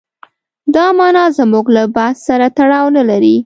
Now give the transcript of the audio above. دا معنا زموږ له بحث سره تړاو نه لري.